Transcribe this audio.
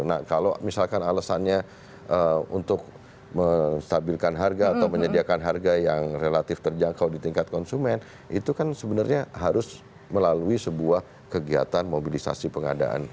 nah kalau misalkan alasannya untuk menstabilkan harga atau menyediakan harga yang relatif terjangkau di tingkat konsumen itu kan sebenarnya harus melalui sebuah kegiatan mobilisasi pengadaan